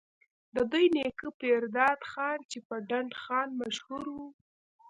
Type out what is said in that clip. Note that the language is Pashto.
د دوي نيکه پيرداد خان چې پۀ ډنډ خان مشهور وو،